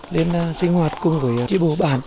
lên sinh hoạt cùng với tri bộ bản